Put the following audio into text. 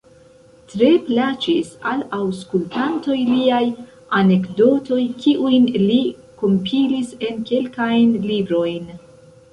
Tre plaĉis al aŭskultantoj liaj anekdotoj, kiujn li kompilis en kelkajn librojn.